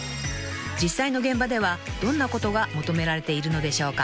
［実際の現場ではどんなことが求められているのでしょうか？］